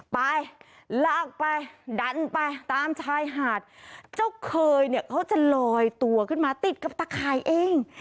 ไปลากไปดันไปตามชายหาดเจ้าเคยเนี่ยเขาจะลอยตัวขึ้นมาติดกับตะข่ายเอง